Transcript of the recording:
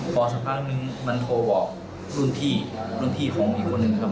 พอสักพักนึงมันโทรบอกรุ่นพี่รุ่นพี่ของอีกคนนึงนะครับ